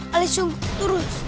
ali sungguh turun